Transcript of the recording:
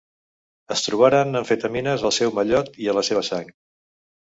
Es trobaren amfetamines al seu mallot i a la seva sang.